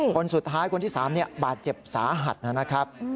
คนสุดท้ายคนที่๓บาดเจ็บสาหัสนะครับ